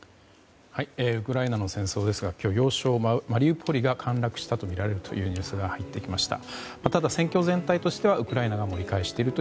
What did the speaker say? ウクライナの戦争ですが今日、要衝マリウポリが陥落したとみられるというニュースが入ってきました。